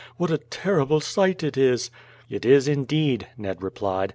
What a terrible sight it is!" "It is, indeed," Ned replied.